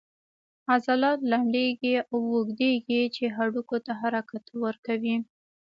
عضلات لنډیږي او اوږدیږي چې هډوکو ته حرکت ورکوي